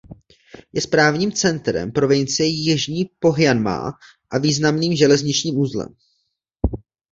Je správním centrem provincie Jižní Pohjanmaa a významným železničním uzlem.